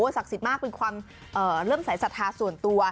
ศักดิ์สิทธิ์มากเป็นความเริ่มสายศรัทธาส่วนตัว